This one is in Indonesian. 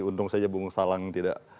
untung saja bung salang tidak